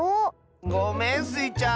ごめんスイちゃん。